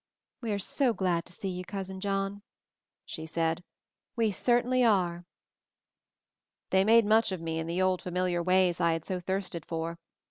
"We're so glad to see you, Cousin John," she said. "We cer tainly are." They made much of me in the old familiar ways I had so thirsted for.